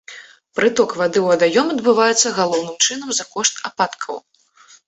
Прыток вады ў вадаём адбываецца, галоўным чынам, за кошт ападкаў.